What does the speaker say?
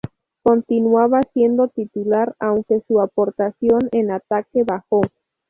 Continuaba siendo titular, aunque su aportación en ataque bajó.